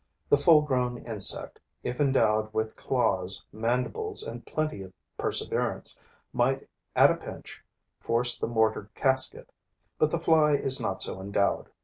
The full grown insect, if endowed with claws, mandibles and plenty of perseverance, might at a pinch force the mortar casket; but the fly is not so endowed.